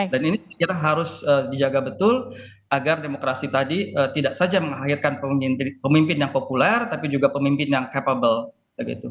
dan ini kita harus dijaga betul agar demokrasi tadi tidak saja mengakhirkan pemimpin yang populer tapi juga pemimpin yang capable